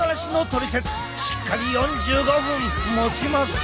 しっかり４５分もちまっせ！